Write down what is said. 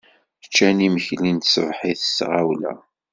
Ččan imekli n tṣebḥit s tɣawla.